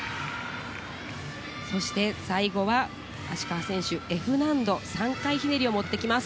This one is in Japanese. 最後は芦川選手、Ｆ難度３回ひねりを持ってきます。